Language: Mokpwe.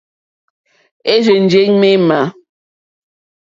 É rzènjé ŋmémà.